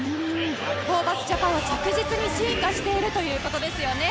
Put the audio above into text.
ホーバスジャパンは着実に進化しているということですよね。